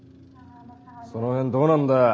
その辺どうなんだよ？